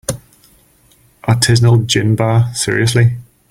Artisanal gin bar, seriously?!